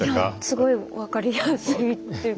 すごい分かりやすいっていうか。